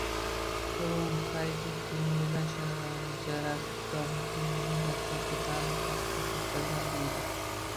Turg‘un Fayziev «Temuriylar shajarasi» kitobida Temurning dastlabki ta'limi haqida to‘xtalganda deydi: